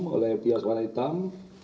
oleh pias warna hitam